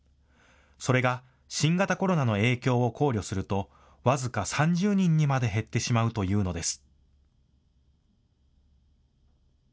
それが新型コロナの影響を考慮すると僅か３０人にまで減ってしまうというのです。